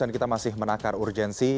dan kita masih menakar urgensi